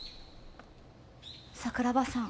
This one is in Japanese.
桜庭さん。